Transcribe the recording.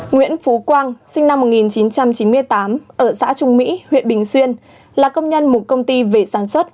nguyễn phú quang sinh năm một nghìn chín trăm chín mươi tám ở xã trung mỹ huyện bình xuyên là công nhân một công ty về sản xuất